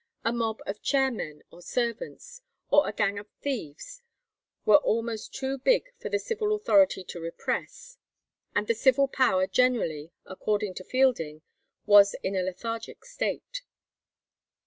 A mob of chair men or servants, or a gang of thieves, were almost too big for the civil authority to repress; and the civil power generally, according to Fielding, was in a lethargic state.